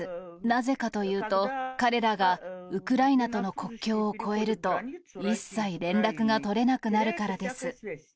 なぜかというと、彼らがウクライナとの国境を越えると、一切連絡が取れなくなるからです。